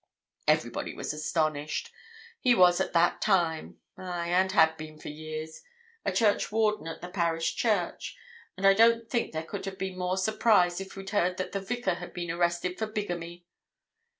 Everybody was astonished; he was at that time—aye, and had been for years—a churchwarden at the Parish Church, and I don't think there could have been more surprise if we'd heard that the Vicar had been arrested for bigamy.